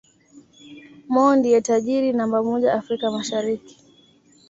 Mo ndiye tajiri namba moja Afrika Mashariki